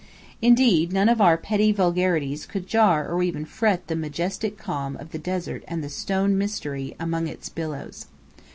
Indeed, none of our petty vulgarities could jar or even fret the majestic calm of the desert and the stone Mystery among its billows.